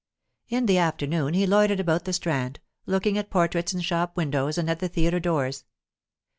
In the afternoon he loitered about the Strand, looking at portraits in shop windows and at the theatre doors.